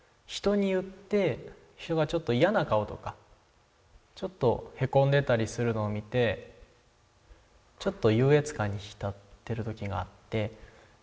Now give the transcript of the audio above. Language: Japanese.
人に言って人がちょっと嫌な顔とかちょっとへこんでたりするのを見てちょっと優越感に浸ってる時があって。